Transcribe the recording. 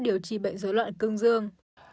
điều trị bệnh dối loạn cương dương